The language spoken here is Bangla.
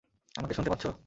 আমাকে শুনতে পাচ্ছো?